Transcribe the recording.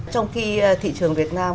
trong khi thị trường việt nam